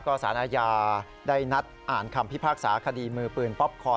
สารอาญาได้นัดอ่านคำพิพากษาคดีมือปืนป๊อปคอน